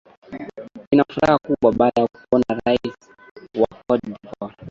nina furaha kubwa baada ya kuona raia wa cote de ivoire